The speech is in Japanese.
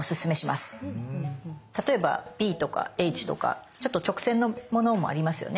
例えば「Ｂ」とか「Ｈ」とかちょっと直線のものもありますよね。